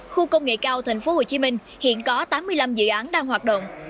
khu công nghệ cao tp hcm hiện có tám mươi năm dự án đang hoạt động